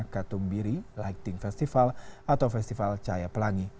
katumbiri lighting festival atau festival cahaya pelangi